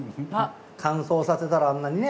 乾燥させたらあんなにね